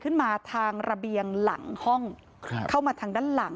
เออไม่มีถุงยางไม่มีแจลอดลืดอะไรอย่างนี้หรอก